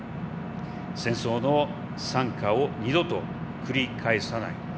戦争の惨禍を二度と繰り返さない。